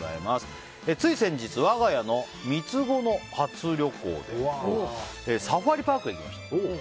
つい先日我が家の三つ子の初旅行でサファリパークへ行きました。